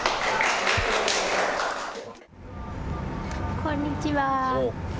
こんにちは。